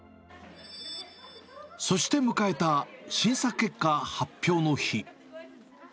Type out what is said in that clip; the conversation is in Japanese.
そして迎えた審査結果発表の日。